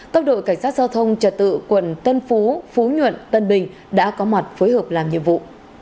các đội cảnh sát giao thông trật tự quận tân phú phú nhuận tân bình đã có mặt phối hợp làm nhiệm vụ